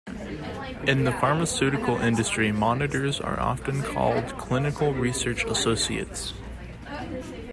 In the pharmaceutical industry monitors are often called clinical research associates.